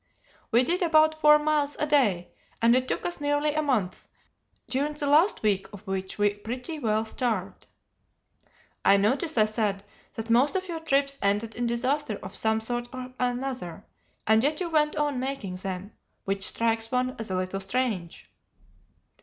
We did about four miles a day, and it took us nearly a month, during the last week of which we pretty well starved." "I notice," I said, "that most of your trips ended in disaster of some sort or another, and yet you went on making them, which strikes one as a little strange."